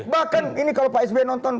bahkan ini kalau pak sby nonton